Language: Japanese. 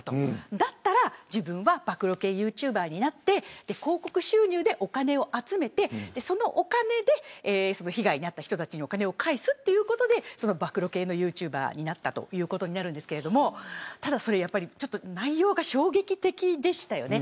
だったら自分は暴露系ユーチューバーになって広告収入でお金を集めてそのお金で被害に遭った人にお金を返すということで暴露系ユーチューバーになったということですが、ただ内容が衝撃的でしたよね。